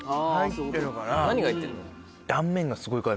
何が入ってんの？